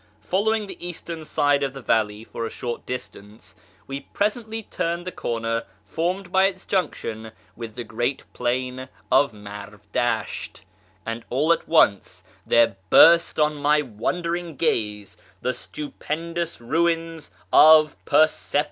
Following the eastern side of the valley for a short distance, we presently turned the corner formed by its junction with the great plain of Marv Dasht, and all at once there burst on my wondering gaze the stupendous ruins of Persepolis.